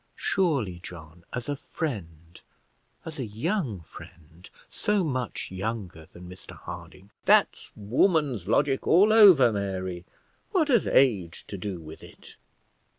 Surely, John, as a friend, as a young friend, so much younger than Mr Harding " "That's woman's logic, all over, Mary. What has age to do with it?